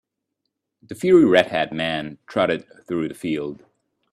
The fiery red-haired man trotted through the field.